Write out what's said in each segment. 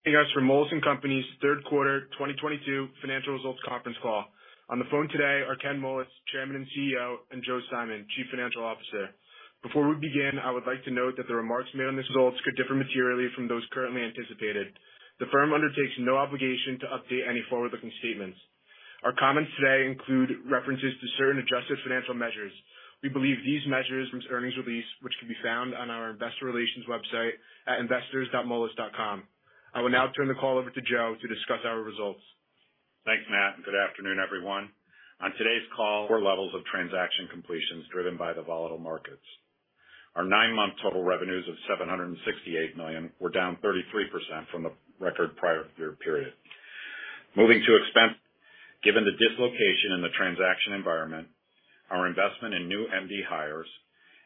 Hey, guys Moelis & Company third-quarter 2022 financial result conference call. On the phone today are Ken Moelis, Chairman and CEO, and Joe Simon Chief Financial Officer, Before we begin, I would like to note that the remarks made on this call may include forward-looking statements. These statements are subject to risks and uncertainties, and actual results could differ materially from those currently anticipated. The company undertakes no obligation to update any forward-looking statements. Our comments today also include references to certain adjusted financial measures. We believe these measures provide useful information for investors. Reconciliations of these measures to the most directly comparable GAAP measures can be found in our earnings release, which is available on our Investor Relations website at investors.moelis.com. I will now turn the call over to Joe to discuss our results. Thank you. Good afternoon, everyone. On today's call, we're seeing lower levels of transaction completions driven by the volatile markets. Our nine month total revenues of $768 million were down 33% from the record prior year period. Moving to expenses. Given the dislocation in the transaction environment, our investment in new MD hires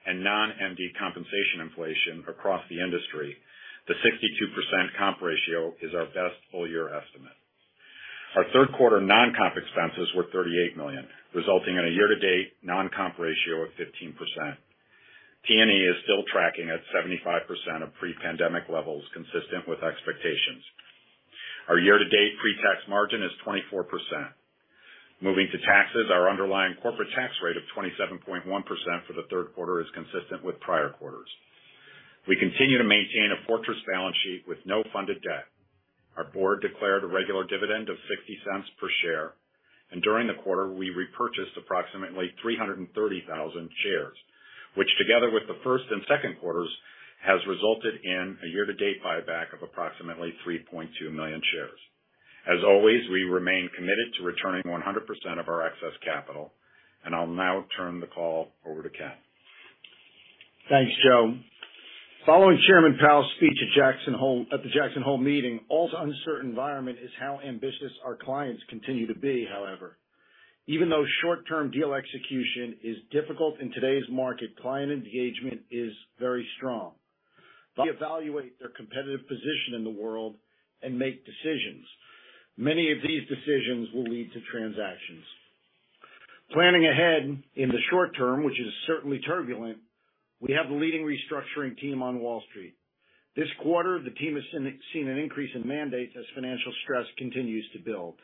and non-MD compensation inflation across the industry, the 62% comp ratio is our best full year estimate. Our third quarter non-comp expenses were $38 million, resulting in a year-to-date non-comp ratio of 15%. T&E is still tracking at 75% of pre-pandemic levels, consistent with expectations. Our year-to-date pre-tax margin is 24%. Moving to taxes, our underlying corporate tax rate of 27.1% for the third quarter is consistent with prior quarters. We continue to maintain a fortress balance sheet with no funded debt. Our board declared a regular dividend of $0.60 per share, and during the quarter, we repurchased approximately 330,000 shares, which together with the first and second quarters, has resulted in a year-to-date buyback of approximately 3.2 million shares. As always, we remain committed to returning 100% of our excess capital. I'll now turn the call over to Ken. Thanks, Joe. Following Chairman Powell's speech at the Jackson Hole meeting, also uncertain environment is how ambitious our clients continue to be, however. Even though short-term deal execution is difficult in today's market, client engagement is very strong. They evaluate their competitive position in the world and make decisions. Many of these decisions will lead to transactions. Planning ahead in the short term, which is certainly turbulent, we have a leading restructuring team on Wall Street. This quarter, the team has seen an increase in mandates as financial stress continues to build.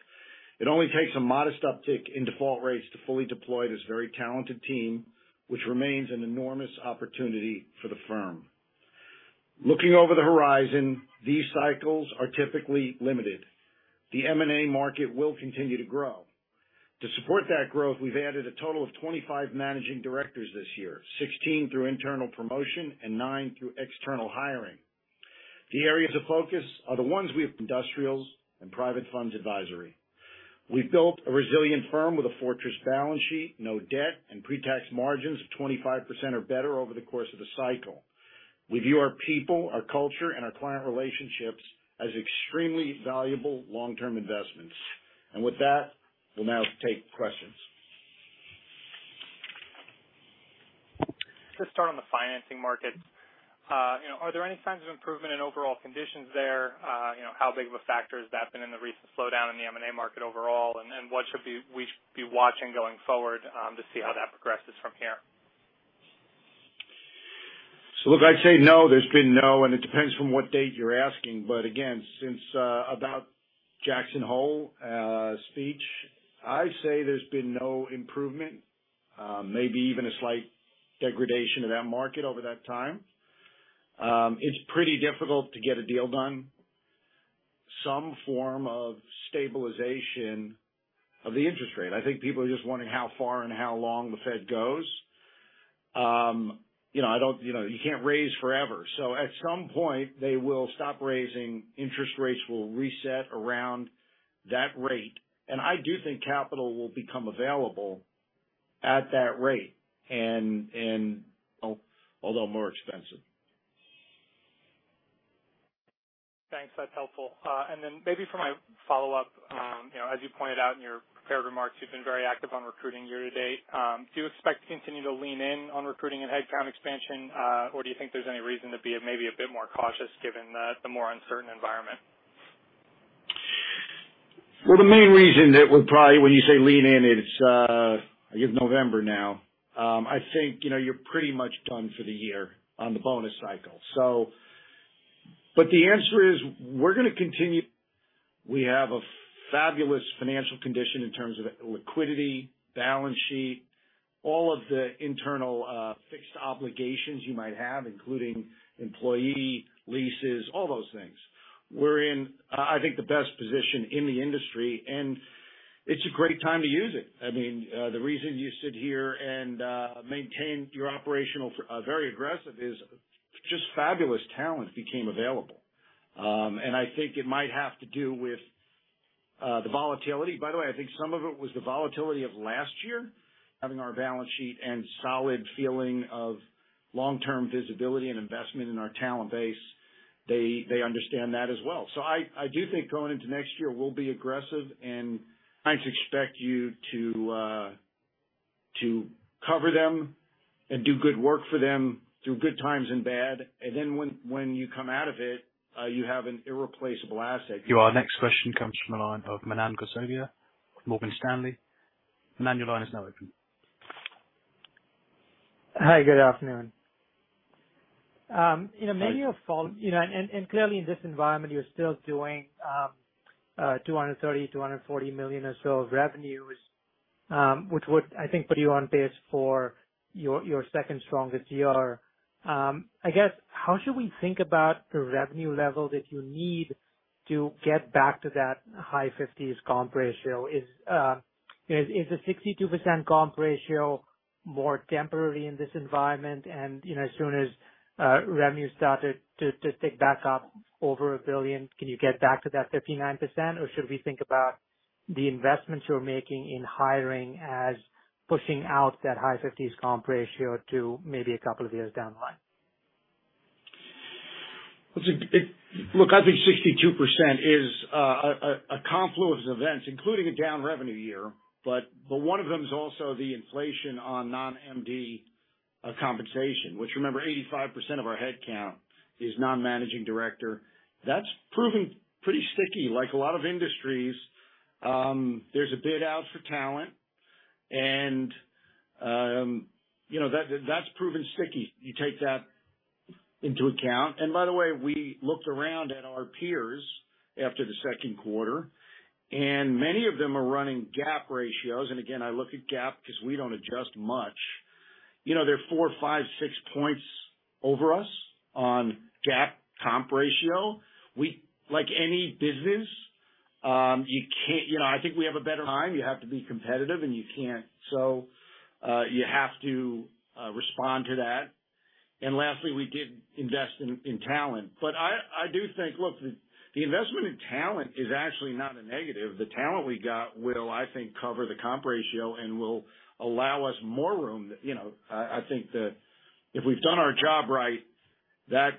It only takes a modest uptick in default rates to fully deploy this very talented team, which remains an enormous opportunity for the firm. Looking over the horizon, these cycles are typically limited. The M&A market will continue to grow. To support that growth, we've added a total of 25 managing directors this year, 16 through internal promotion and nine through external hiring. The areas of focus are the ones we have industrials and Private Capital Advisory. We've built a resilient firm with a fortress balance sheet, no debt, and pre-tax margins of 25% or better over the course of the cycle. We view our people, our culture, and our client relationships as extremely valuable long-term investments. With that, we'll now take questions. Let's start on the financing market. You know, are there any signs of improvement in overall conditions there? You know, how big of a factor has that been in the recent slowdown in the M&A market overall? What we should be watching going forward to see how that progresses from here? Look, I'd say no, there's been no, and it depends from what date you're asking. Again, since about Jackson Hole speech, I say there's been no improvement, maybe even a slight degradation of that market over that time. It's pretty difficult to get a deal done. Some form of stabilization of the interest rate. I think people are just wondering how far and how long the Fed goes. You know, you can't raise forever. At some point they will stop raising, interest rates will reset around that rate. I do think capital will become available at that rate, although more expensive. Thanks. That's helpful. Maybe for my follow-up, you know, as you pointed out in your prepared remarks, you've been very active on recruiting year to date. Do you expect to continue to lean in on recruiting and headcount expansion, or do you think there's any reason to be maybe a bit more cautious given the more uncertain environment? Well, when you say lean in, it's already November now. I think, you know, you're pretty much done for the year on the bonus cycle. The answer is, we're gonna continue. We have a fabulous financial condition in terms of liquidity, balance sheet, all of the internal fixed obligations you might have, including employee leases, all those things. We're in, I think, the best position in the industry, and it's a great time to use it. I mean, the reason you sit here and maintain your operations very aggressively is just fabulous talent became available. I think it might have to do with the volatility. By the way, I think some of it was the volatility of last year, having our balance sheet and solid feeling of long-term visibility and investment in our talent base. They understand that as well. I do think going into next year, we'll be aggressive, and clients expect you to cover them and do good work for them through good times and bad. When you come out of it, you have an irreplaceable asset. Thank you. Our next question comes from the line of Manan Gosalia, Morgan Stanley. Manan, your line is now open. Hi, good afternoon. Maybe a follow-up, you know, and clearly in this environment you're still doing $230 million-$240 million or so of revenues, which would, I think, put you on pace for your second strongest year. I guess, how should we think about the revenue level that you need to get back to that high 50s comp ratio? Is, you know, is the 62% comp ratio more temporary in this environment and, you know, as soon as revenue started to tick back up over $1 billion, can you get back to that 59%? Or should we think about the investments you're making in hiring as pushing out that high 50s comp ratio to maybe a couple of years down the line? Look, I think 62% is a confluence of events, including a down revenue year, but one of them is also the inflation on non-MD compensation, which, remember 85% of our head count is non-managing director. That's proven pretty sticky. Like a lot of industries, there's a bid out for talent and, you know, that's proven sticky. You take that into account. By the way, we looked around at our peers after the second quarter and many of them are running GAAP ratios. Again, I look at GAAP because we don't adjust much. You know, they're four, five, six points over us on GAAP comp ratio. Like any business, you can't. You know, I think we have a better team. You have to be competitive and you can't. You have to respond to that. Lastly, we did invest in talent. I do think, look, the investment in talent is actually not a negative. The talent we got will, I think, cover the comp ratio and will allow us more room. You know, I think that if we've done our job right, that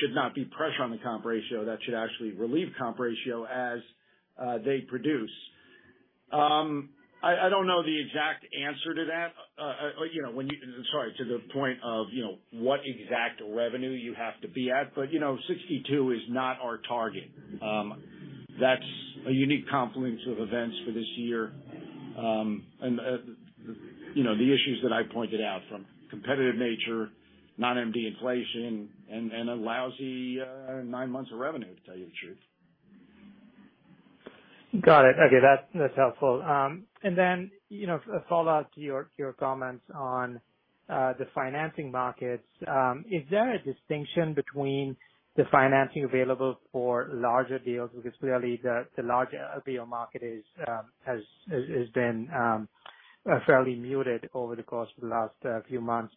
should not be pressure on the comp ratio. That should actually relieve comp ratio as they produce. I don't know the exact answer to that. You know, sorry, to the point of, you know, what exact revenue you have to be at, but you know, 62% is not our target. That's a unique confluence of events for this year. You know, the issues that I pointed out from competitive nature, non-MD inflation and a lousy nine months of revenue, to tell you the truth. Got it. Okay, that's helpful. You know, a follow-up to your comments on the financing markets. Is there a distinction between the financing available for larger deals? Because clearly the larger deal market has been fairly muted over the course of the last few months.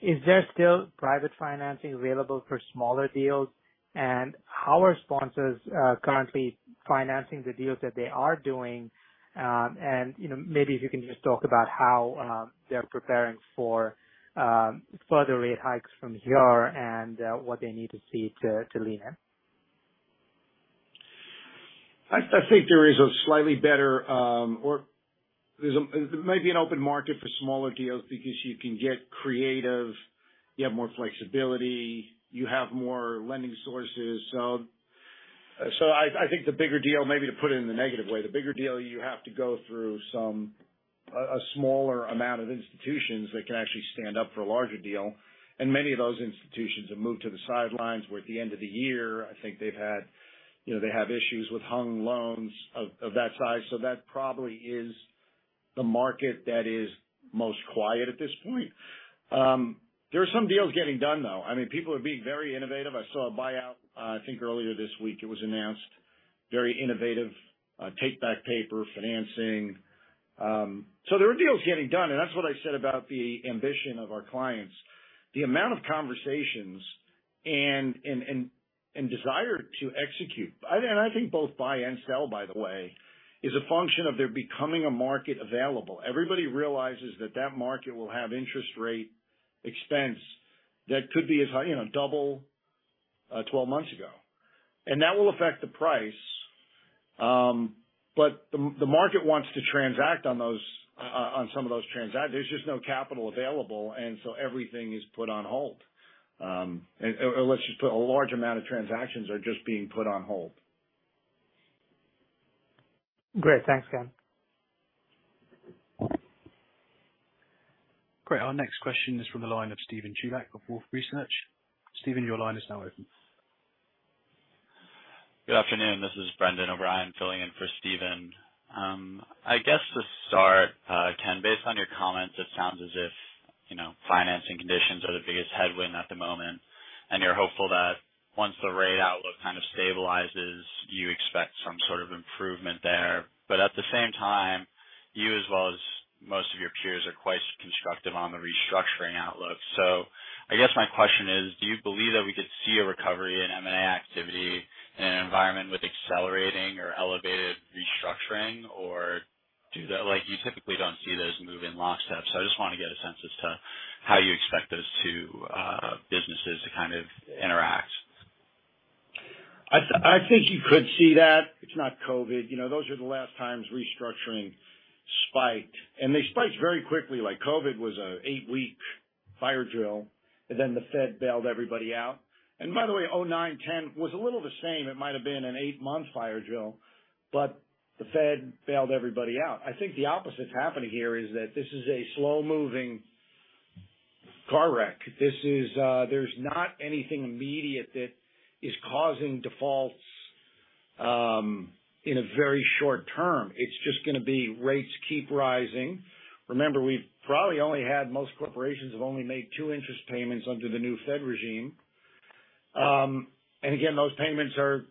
Is there still private financing available for smaller deals? How are sponsors currently financing the deals that they are doing? You know, maybe if you can just talk about how they're preparing for further rate hikes from here and what they need to see to lean in. I think there is a slightly better or there may be an open market for smaller deals because you can get creative, you have more flexibility, you have more lending sources. I think the bigger deal, to put it in a negative way, you have to go through a smaller amount of institutions that can actually stand up for a larger deal. Many of those institutions have moved to the sidelines, where at the end of the year, I think they've had, you know, they have issues with hung loans of that size. That probably is the market that is most quiet at this point. There are some deals getting done, though. I mean, people are being very innovative. I saw a buyout, I think earlier this week, it was announced. Very innovative take-back paper financing. There are deals getting done, and that's what I said about the ambition of our clients. The amount of conversations and desire to execute. I think both buy and sell, by the way, is a function of there becoming a market available. Everybody realizes that that market will have interest rate expense that could be as high, you know, double 12-months ago. That will affect the price. The market wants to transact on those, on some of those transactions. There's just no capital available, and so everything is put on hold. Let's just say a large amount of transactions are just being put on hold. Great. Thanks, Ken. Great. Our next question is from the line of Steven Chubak of Wolfe Research. Steven, your line is now open. Good afternoon. This is Brendan O'Brien filling in for Steven. I guess to start, Ken, based on your comments, it sounds as if, you know, financing conditions are the biggest headwind at the moment, and you're hopeful that once the rate outlook kind of stabilizes, you expect some sort of improvement there. But at the same time, you as well as most of your peers, are quite constructive on the restructuring outlook. I guess my question is, do you believe that we could see a recovery in M&A activity in an environment with accelerating or elevated restructuring, or like, you typically don't see those move in lockstep. I just want to get a sense as to how you expect those two, businesses to kind of interact. I think you could see that. It's not COVID. You know, those are the last times restructuring spiked, and they spiked very quickly. Like, COVID was an eight week fire drill. The Fed bailed everybody out. By the way, 2009, 2010 was a little the same. It might have been an eight month fire drill, but the Fed bailed everybody out. I think the opposite's happening here is that this is a slow-moving car wreck. There's not anything immediate that is causing defaults in a very short term. It's just gonna be rates keep rising. Remember, we've probably only had most corporations have only made two interest payments under the new Fed regime. Again, those payments are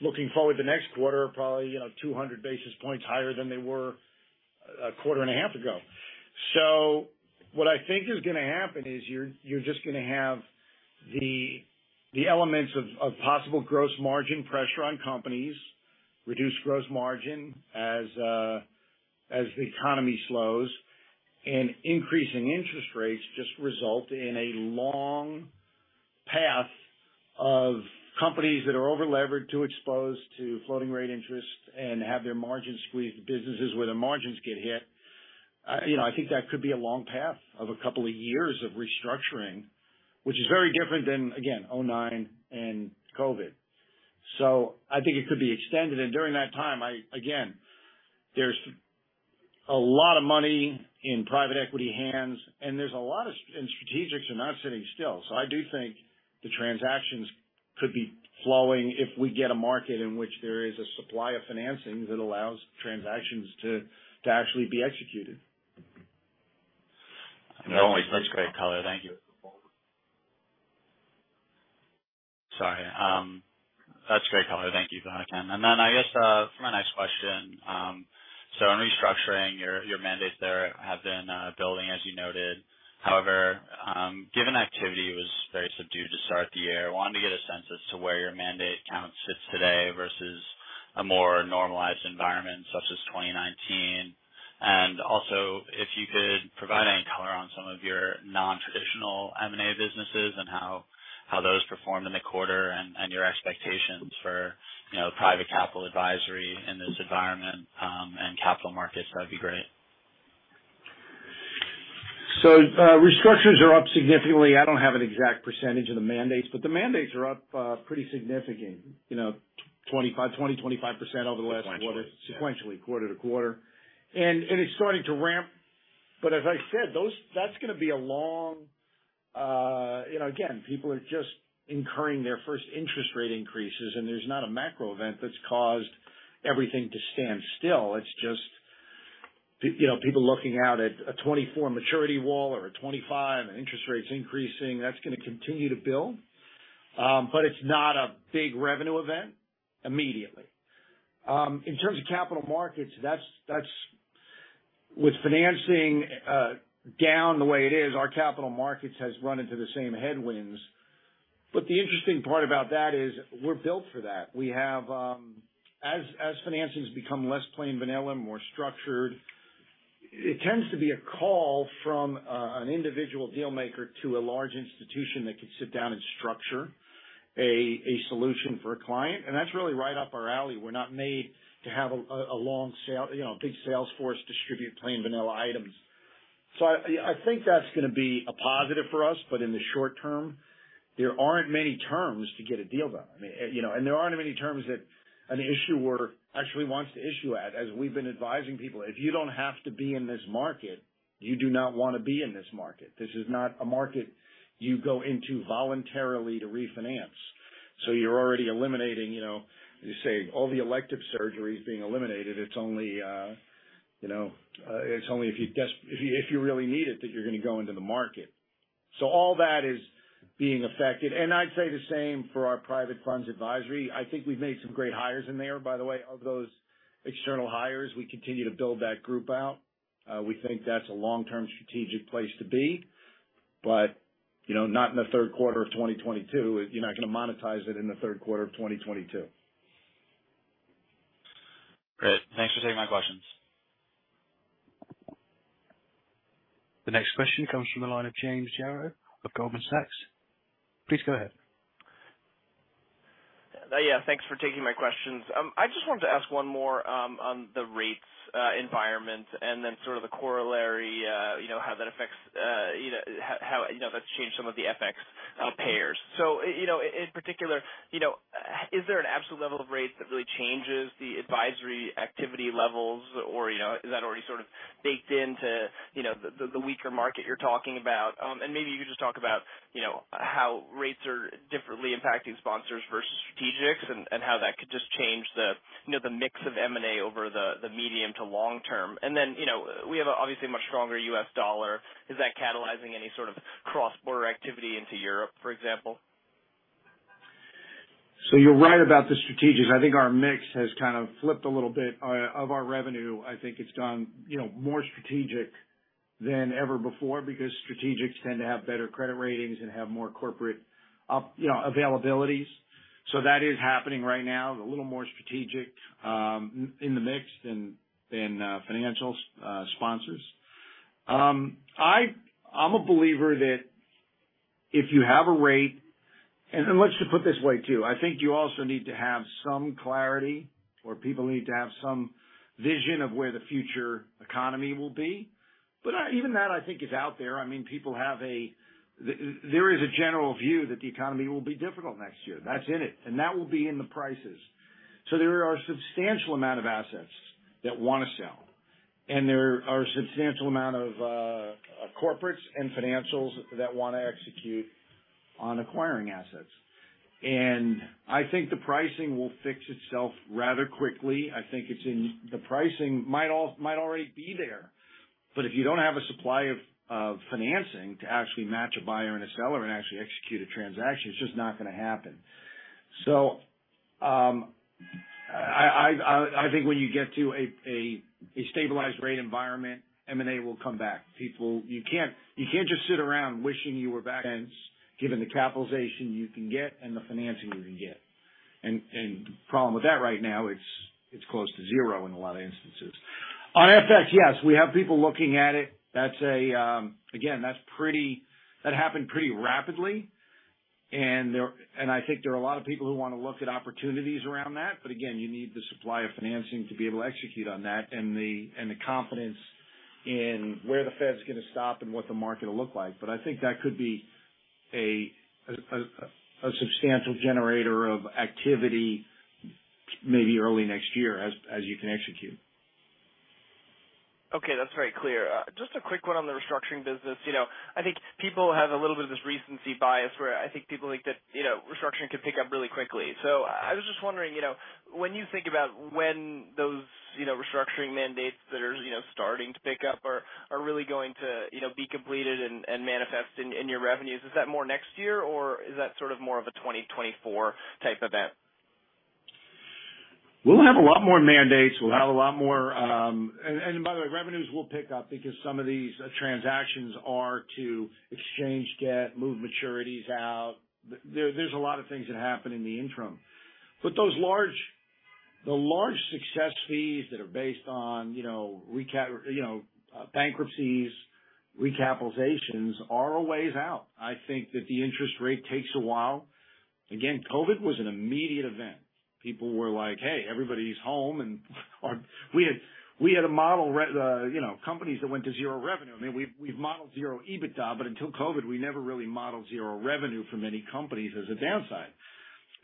looking forward to next quarter, probably, you know, 200 basis points higher than they were a quarter and a half ago. What I think is gonna happen is you're just gonna have the elements of possible gross margin pressure on companies, reduced gross margin as the economy slows. Increasing interest rates just result in a long path of companies that are overlevered, too exposed to floating rate interest and have their margins squeezed, businesses where the margins get hit. You know, I think that could be a long path of a couple of years of restructuring, which is very different than, again, 2009 and COVID. I think it could be extended. During that time, again, there's a lot of money in private equity hands, and strategics are not sitting still. I do think the transactions could be flowing if we get a market in which there is a supply of financing that allows transactions to actually be executed. No, that's great color. Thank you. Sorry. That's great color. Thank you for that. I guess, for my next question, so on restructuring your mandates there have been building as you noted. However, given activity was very subdued to start the year, wanted to get a sense as to where your mandate count sits today versus a more normalized environment such as 2019. Also, if you could provide any color on some of your non-traditional M&A businesses and how those performed in the quarter and your expectations for, you know, Private Capital Advisory in this environment, and Capital Markets, that'd be great. Restructures are up significantly. I don't have an exact percentage of the mandates, but the mandates are up pretty significant. You know, 25% over the last quarter. Sequentially. Sequentially. Quarter to quarter. It's starting to ramp. As I said, that's gonna be a long, you know, again, people are just incurring their first interest rate increases and there's not a macro event that's caused everything to stand still. It's just you know, people looking out at a 2024 maturity wall or a 2025 and interest rates increasing, that's gonna continue to build. It's not a big revenue event immediately. In terms of Capital Markets, that's with financing down the way it is, our Capital Markets has run into the same headwinds. The interesting part about that is we're built for that. We have, as financings become less plain vanilla, more structured, it tends to be a call from an individual deal maker to a large institution that can sit down and structure a solution for a client. That's really right up our alley. We're not made to have a long sale, you know, a big sales force distribute plain vanilla items. I think that's gonna be a positive for us. In the short term, there aren't many terms to get a deal done. I mean, you know, there aren't many terms that an issuer actually wants to issue at. As we've been advising people, if you don't have to be in this market, you do not wanna be in this market. This is not a market you go into voluntarily to refinance. You're already eliminating, you know, as you say, all the elective surgeries being eliminated. It's only, you know, it's only if you really need it, that you're gonna go into the market. All that is being affected. I'd say the same for our private funds advisory. I think we've made some great hires in there, by the way. Of those external hires, we continue to build that group out. We think that's a long-term strategic place to be. You know, not in the third quarter of 2022. You're not gonna monetize it in the third quarter of 2022. Great. Thanks for taking my questions. The next question comes from the line of James Yaro of Goldman Sachs. Please go ahead. Yeah. Thanks for taking my questions. I just wanted to ask one more, on the rates environment and then sort of the corollary, you know, how that affects, you know, how that's changed some of the FX pairs. In particular, you know, is there an absolute level of rates that really changes the advisory activity levels or, you know, is that already sort of baked into, you know, the weaker market you're talking about? And maybe you could just talk about, you know, how rates are differently impacting sponsors versus strategics and how that could just change the, you know, the mix of M&A over the medium to long term. You know, we have obviously a much stronger US dollar. Is that catalyzing any sort of cross-border activity into Europe, for example? You're right about the strategics. I think our mix has kind of flipped a little bit. Of our revenue, I think it's gone, you know, more strategic than ever before because strategics tend to have better credit ratings and have more corporate, you know, availabilities. That is happening right now, a little more strategic in the mix than financial sponsors. I'm a believer that if you have a rate. Let's just put it this way too. I think you also need to have some clarity or people need to have some vision of where the future economy will be. Even that I think is out there. I mean, there is a general view that the economy will be difficult next year. That's priced in, and that will be in the prices. There are a substantial amount of assets that wanna sell, and there are a substantial amount of corporates and financials that wanna execute on acquiring assets. I think the pricing will fix itself rather quickly. I think the pricing might already be there, but if you don't have a supply of financing to actually match a buyer and a seller and actually execute a transaction, it's just not gonna happen. I think when you get to a stabilized rate environment, M&A will come back. You can't just sit around wishing you were back and given the capitalization you can get and the financing you can get. The problem with that right now, it's close to zero in a lot of instances. On FX, yes, we have people looking at it. Again, that happened pretty rapidly. I think there are a lot of people who wanna look at opportunities around that, but again, you need the supply of financing to be able to execute on that and the confidence in where the Fed's gonna stop and what the market will look like. That could be a substantial generator of activity maybe early next year as you can execute. Okay. That's very clear. Just a quick one on the restructuring business. You know, I think people have a little bit of this recency bias, where I think people think that, you know, restructuring can pick up really quickly. I was just wondering, you know, when you think about when those, you know, restructuring mandates that are, you know, starting to pick up are really going to, you know, be completed and manifest in your revenues. Is that more next year or is that sort of more of a 2024 type event? We'll have a lot more mandates. We'll have a lot more. By the way, revenues will pick up because some of these transactions are to exchange debt, move maturities out. There's a lot of things that happen in the interim. Those large success fees that are based on, you know, bankruptcies, recapitalizations are a ways out. I think that the interest rate takes a while. Again, COVID was an immediate event. People were like, hey, everybody's home. Or we had a model, you know, companies that went to zero revenue. I mean, we've modeled zero EBITDA, but until COVID, we never really modeled zero revenue for many companies as a downside.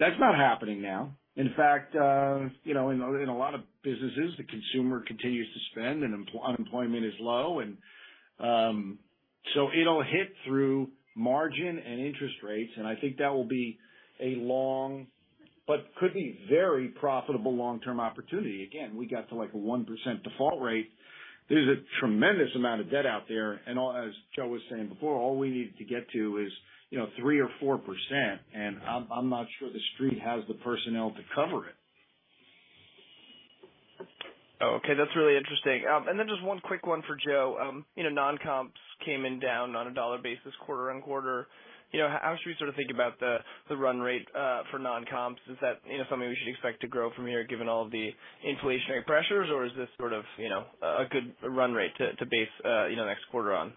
That's not happening now. In fact, you know, in a lot of businesses, the consumer continues to spend and unemployment is low. So it'll hit through margin and interest rates, and I think that will be a long but could be very profitable long-term opportunity. Again, we're at like a 1% default rate. There's a tremendous amount of debt out there. As Joe was saying before, all we need to get to is, you know, 3% or 4%, and I'm not sure the Street has the personnel to cover it. Oh, okay. That's really interesting. Just one quick one for Joe. You know, non-comps came in down on a US dollar basis quarter-over-quarter. You know, how should we sort of think about the run rate for non-comps? Is that, you know, something we should expect to grow from here given all of the inflationary pressures, or is this sort of, you know, a good run rate to base next quarter on?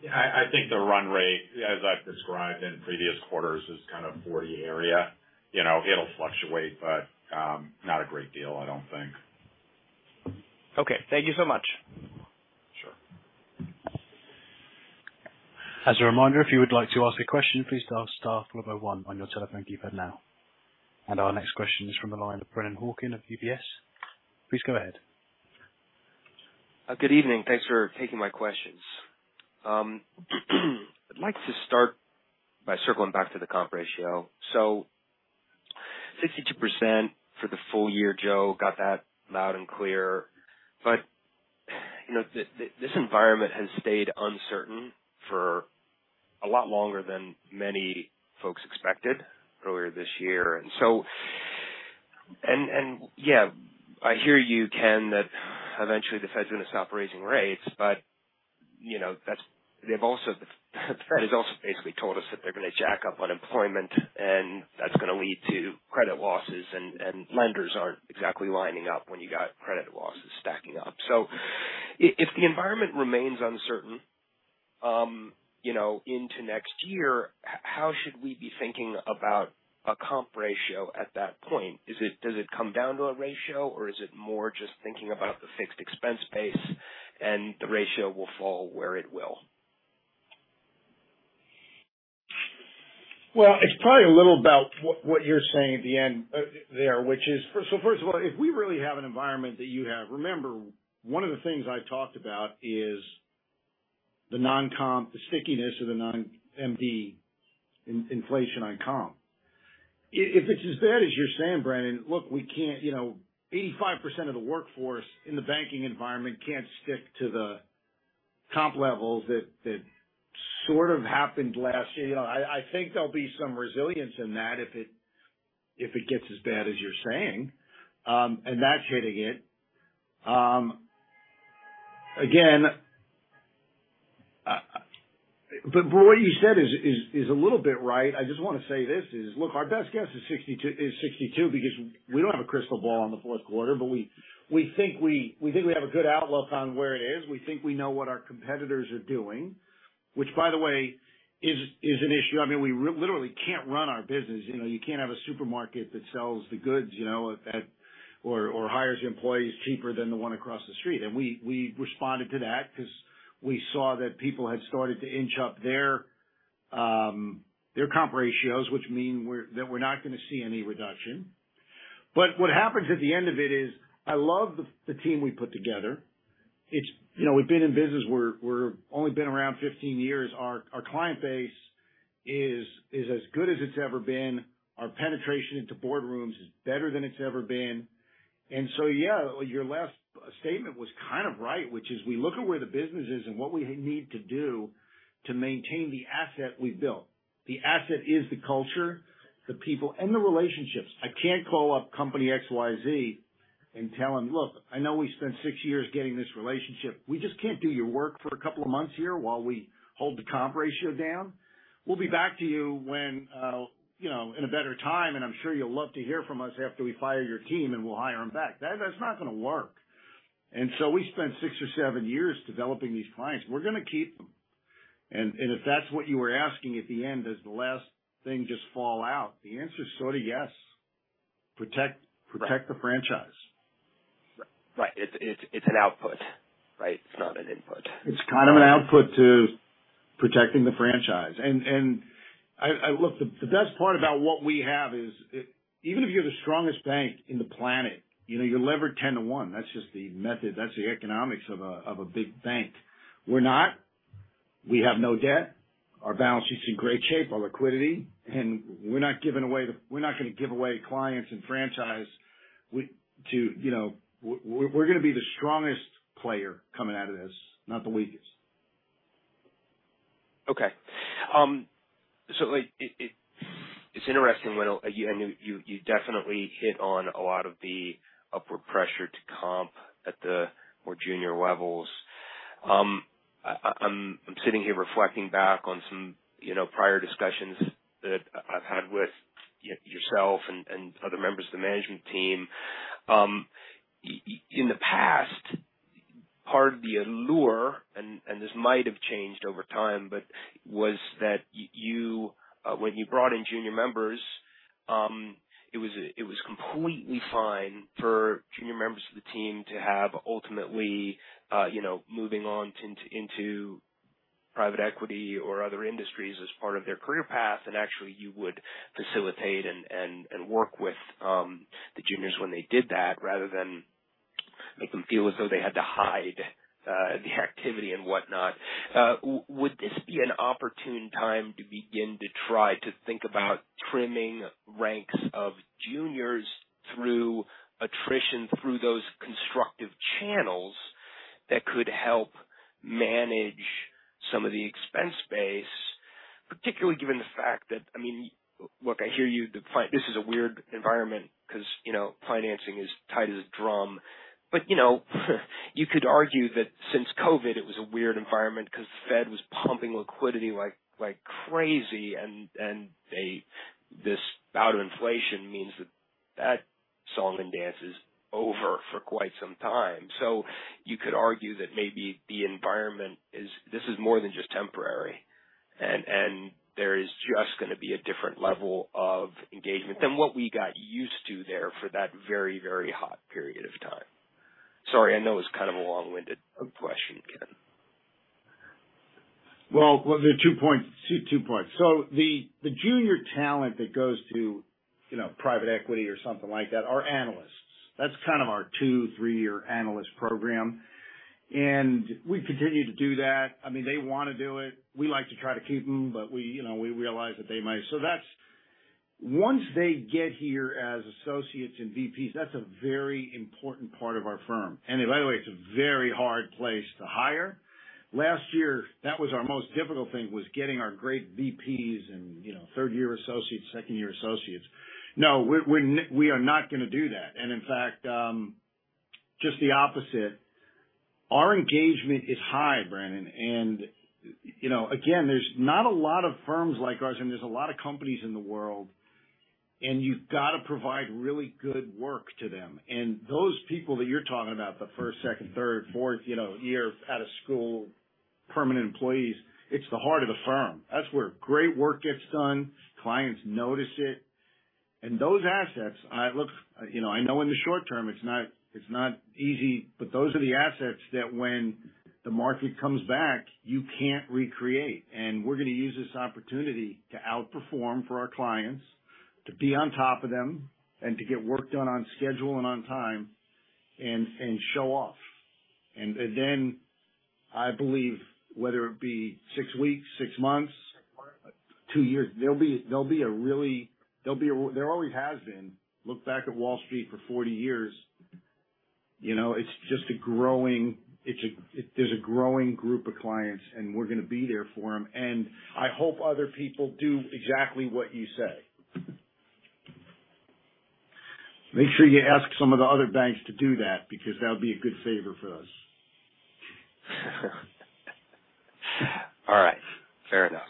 Yeah. I think the run rate, as I've described in previous quarters, is kind of 40 area. You know, it'll fluctuate, but not a great deal, I don't think. Okay. Thank you so much. Sure. As a reminder, if you would like to ask a question, please dial star then one on your telephone keypad now. Our next question is from the line of Brennan Hawken of UBS. Please go ahead. Good evening. Thanks for taking my questions. I'd like to start by circling back to the comp ratio. 52% for the full year, Joe, got that loud and clear. You know, this environment has stayed uncertain for a lot longer than many folks expected earlier this year. Yeah, I hear you, Ken, that eventually the Fed's going to stop raising rates. You know, the Fed has also basically told us that they're gonna jack up unemployment, and that's gonna lead to credit losses, and lenders aren't exactly lining up when you got credit losses stacking up. If the environment remains uncertain, you know, into next year, how should we be thinking about a comp ratio at that point? Does it come down to a ratio or is it more just thinking about the fixed expense base and the ratio will fall where it will? Well, it's probably a little about what you're saying at the end there, which is. First of all, if we really have an environment that you have, remember, one of the things I talked about is the non-comp, the stickiness of the non- and the inflation on comp. If it's as bad as you're saying, Brennan Hawken, look, we can't, you know, 85% of the workforce in the banking environment can't stick to the comp levels that that sort of happened last year. You know, I think there'll be some resilience in that if it gets as bad as you're saying, and that's hitting it. Again, what you said is a little bit right. I just wanna say this is, look, our best guess is 62 because we don't have a crystal ball on the fourth quarter, but we think we have a good outlook on where it is. We think we know what our competitors are doing. Which, by the way, is an issue. I mean, we literally can't run our business. You know, you can't have a supermarket that sells the goods, you know, or hires employees cheaper than the one across the street. We responded to that because we saw that people had started to inch up their comp ratios, which mean that we're not gonna see any reduction. What happens at the end of it is, I love the team we put together. It's, you know, we've been in business. We're only been around 15-years. Our client base is as good as it's ever been. Our penetration into boardrooms is better than it's ever been. Yeah, your last statement was kind of right, which is we look at where the business is and what we need to do to maintain the asset we built. The asset is the culture, the people and the relationships. I can't call up company XYZ and tell them: Look, I know we spent six years getting this relationship. We just can't do your work for a couple of months here while we hold the comp ratio down. We'll be back to you when, you know, in a better time, and I'm sure you'll love to hear from us after we fire your team, and we'll hire them back. That's not gonna work. We spent six or seven years developing these clients. We're gonna keep them. If that's what you were asking at the end, does the last thing just fall out? The answer is sort of yes. Protect the franchise. Right. It's an output, right? It's not an input. It's kind of an output to protecting the franchise. Look, the best part about what we have is even if you're the strongest bank in the planet, you know, you leverage 10 to one. That's just the method. That's the economics of a big bank. We're not. We have no debt. Our balance sheet's in great shape, our liquidity. We're not gonna give away clients and franchise to, you know. We're gonna be the strongest player coming out of this, not the weakest. Okay. So, like, it's interesting when you definitely hit on a lot of the upward pressure to comp at the more junior levels. I'm sitting here reflecting back on some, you know, prior discussions that I've had with yourself and other members of the management team. In the past, part of the allure, and this might have changed over time, but was that you when you brought in junior members, it was completely fine for junior members of the team to have ultimately, you know, moving on into private equity or other industries as part of their career path. Actually, you would facilitate and work with the juniors when they did that, rather than make them feel as though they had to hide the activity and whatnot. Would this be an opportune time to begin to try to think about trimming ranks of juniors through attrition, through those constructive channels that could help manage some of the expense base, particularly given the fact that I mean, look, I hear you. This is a weird environment because, you know, financing is tight as a drum. You know, you could argue that since COVID, it was a weird environment because Fed was pumping liquidity like crazy. This bout of inflation means that that song and dance is over for quite some time. You could argue that maybe the environment is more than just temporary, and there is just gonna be a different level of engagement than what we got used to there for that very, very hot period of time. Sorry, I know it's kind of a long-winded question, Ken. Well, there are two points. Two points. The junior talent that goes to, you know, private equity or something like that, are analysts. That's kind of our two to three year analyst program. We continue to do that. I mean, they wanna do it. We like to try to keep them, but we, you know, we realize that they might. That's. Once they get here as associates and VPs, that's a very important part of our firm. By the way, it's a very hard place to hire. Last year, that was our most difficult thing, was getting our great VPs and, you know, third-year associates, second-year associates. No, we're not gonna do that. In fact, just the opposite. Our engagement is high, Brandon. You know, again, there's not a lot of firms like ours, and there's a lot of companies in the world, and you've got to provide really good work to them. Those people that you're talking about, the first, second, third, fourth, you know, year out of school, permanent employees, it's the heart of the firm. That's where great work gets done. Clients notice it. Those assets, I look, you know, I know in the short term it's not easy, but those are the assets that when the market comes back, you can't recreate. We're gonna use this opportunity to outperform for our clients, to be on top of them and to get work done on schedule and on time and show off. I believe whether it be six weeks, six months, two years, there always has been. Look back at Wall Street for 40-years. You know, it's just a growing group of clients, and we're gonna be there for them. I hope other people do exactly what you say. Make sure you ask some of the other banks to do that, because that would be a good favor for us. All right. Fair enough.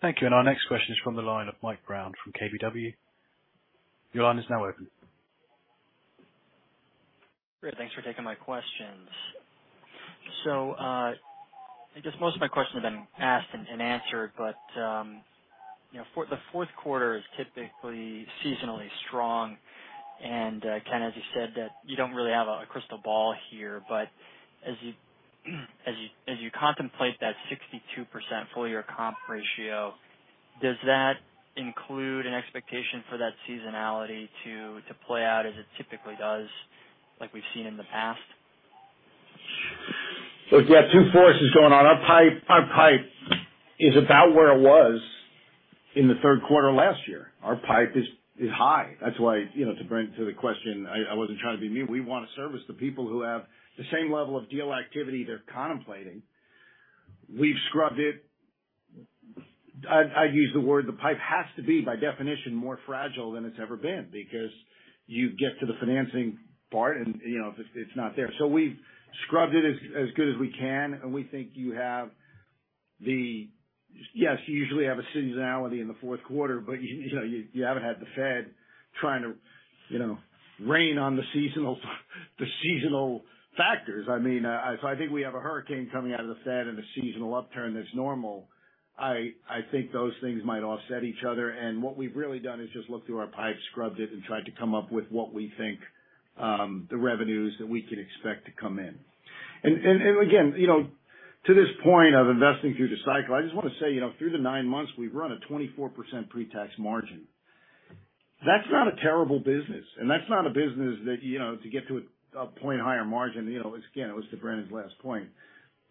Thank you. Our next question is from the line of Michael Brown from KBW. Your line is now open. Great. Thanks for taking my questions. I guess most of my questions have been asked and answered. You know, the fourth quarter is typically seasonally strong. Ken, as you said that you don't really have a crystal ball here, but as you contemplate that 62% full year comp ratio, does that include an expectation for that seasonality to play out as it typically does like we've seen in the past? Look, yeah, two forces going on. Our pipe is about where it was in the third quarter last year. Our pipe is high. That's why, you know, to Brennan Hawken, to the question, I wasn't trying to be mean. We wanna service the people who have the same level of deal activity they're contemplating. We've scrubbed it. I'd use the word the pipe has to be, by definition, more fragile than it's ever been because you get to the financing part and, you know, it's not there. So we've scrubbed it as good as we can. Yes, you usually have a seasonality in the fourth quarter, but you know, you haven't had the Fed trying to, you know, rein in the seasonal factors. I mean, if I think we have a hurricane coming out of the Fed and a seasonal upturn that's normal, I think those things might offset each other. What we've really done is just looked through our pipe, scrubbed it, and tried to come up with what we think, the revenues that we can expect to come in. Again, you know, to this point of investing through the cycle, I just wanna say, you know, through the nine months we've run a 24% pre-tax margin. That's not a terrible business and that's not a business that, you know, to get to a point higher margin, you know, it's again, it was to Brandon's last point.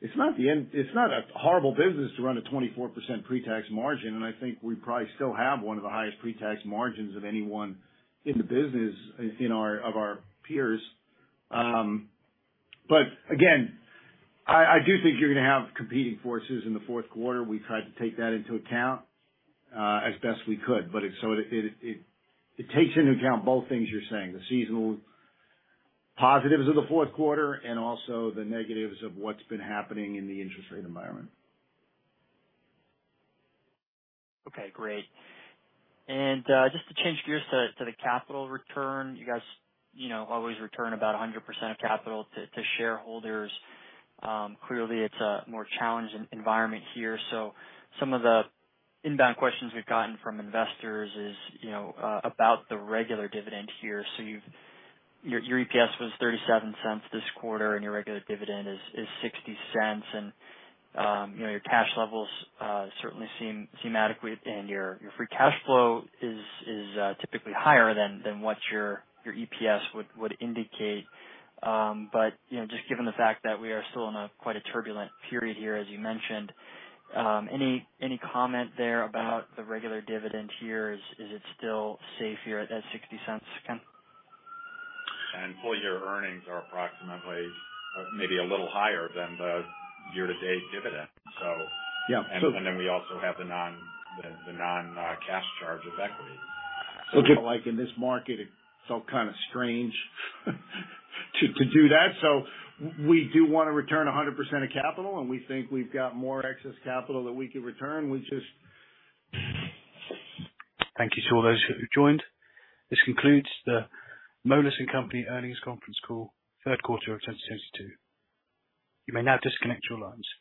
It's not a horrible business to run a 24% pre-tax margin. I think we probably still have one of the highest pre-tax margins of anyone in the business, of our peers. Again, I do think you're gonna have competing forces in the fourth quarter. We tried to take that into account, as best we could. It takes into account both things you're saying, the seasonal positives of the fourth quarter and also the negatives of what's been happening in the interest rate environment. Okay, great. Just to change gears to the capital return, you guys, you know, always return about 100% of capital to shareholders. Clearly it's a more challenging environment here. Some of the inbound questions we've gotten from investors is, you know, about the regular dividend here. Your EPS was $0.37 this quarter and your regular dividend is $0.60. You know, your cash levels certainly seem adequate and your free cash flow is typically higher than what your EPS would indicate. You know, just given the fact that we are still in a quite turbulent period here as you mentioned, any comment there about the regular dividend here? Is it still safe here at that $0.60, Ken? Full year earnings are approximately maybe a little higher than the year to date dividend. Yeah. We also have the non-cash charge of equity. Like in this market it felt kind of strange to do that. We do wanna return 100% of capital and we think we've got more excess capital that we can return. We just Thank you to all those who joined. This concludes the Moelis & Company Earnings Conference Call third quarter of 2022. You may now disconnect your lines.